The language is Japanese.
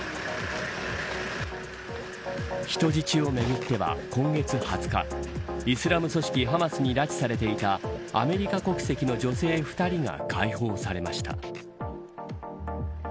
人質をめぐっては、今月２０日イスラム組織ハマスに拉致されていたアメリカ国籍の女性２人が解放されました。